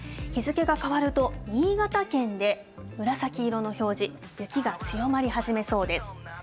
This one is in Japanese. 日付が変わると、新潟県で紫色の表示、雪が強まり始めそうです。